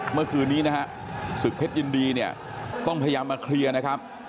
เมื่อคืนนี้นะฮะศึกเพชรยินดีเนี่ยต้องพยายามมาเคลียร์นะครับ